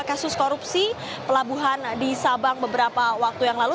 kasus korupsi pelabuhan di sabang beberapa waktu yang lalu